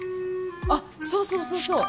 あっそうそうそうそう